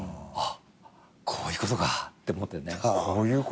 あっこういうことかって思ってね。